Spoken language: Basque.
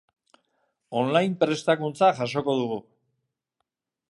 On-line Prestakuntza jasoko dugu.